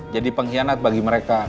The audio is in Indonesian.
jadi pengkhianat bagi mereka